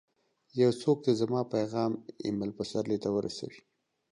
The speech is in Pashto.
یو څوک دي زما پیغام اېمل پسرلي ته ورسوي!